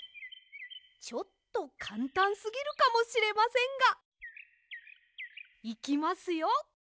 ちょっとかんたんすぎるかもしれませんが。いきますよ！